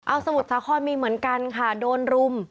เอาสมุทรสาครมีเหมือนกันค่ะโดนรุม